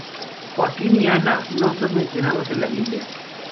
Joaquín y Ana no son mencionados en la Biblia.